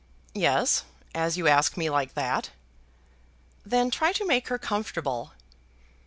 "Yes; as you ask me like that." "Then try to make her comfortable."